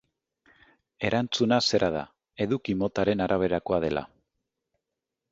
Erantzuna zera da, eduki motaren araberakoa dela.